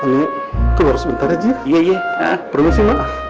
seharusnya sementara jika iya iya promosi